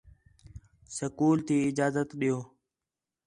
سکول تی اجازت ݙیؤ